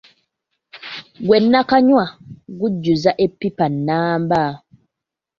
Gwenaakanywa gujjuza eppipa namba.